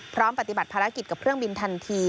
ปฏิบัติภารกิจกับเครื่องบินทันที